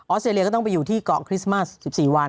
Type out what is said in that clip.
สเตรเลียก็ต้องไปอยู่ที่เกาะคริสต์มาส๑๔วัน